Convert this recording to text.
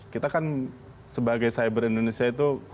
kita kan sebagai cyber indonesia itu